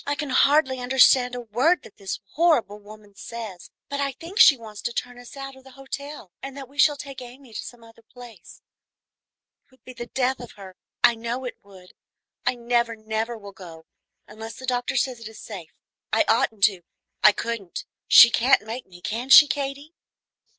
"I can hardly understand a word that this horrible woman says, but I think she wants to turn us out of the hotel, and that we shall take Amy to some other place. It would be the death of her, I know it would. I never, never will go, unless the doctor says it is safe. I oughtn't to, I couldn't; she can't make me, can she, Katy?"